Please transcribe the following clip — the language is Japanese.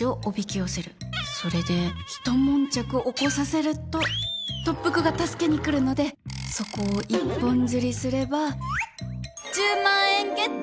それでひと悶着起こさせると特服が助けに来るのでそこを一本釣りすれば。